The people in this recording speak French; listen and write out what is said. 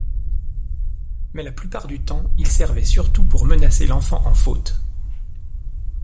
Mais la plupart du temps, il servait surtout pour menacer l'enfant en faute.